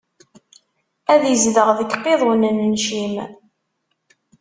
Ad izdeɣ deg iqiḍunen n Cim!